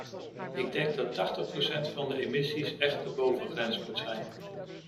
Ik denk dat tachtig procent van de emissies echt de bovengrens moet zijn.